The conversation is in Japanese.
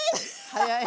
早い。